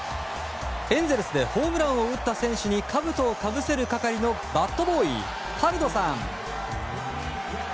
エンゼルスでホームランを打った選手にかぶとをかぶせる係のバットボーイ、パルドさん。